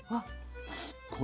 すっごい。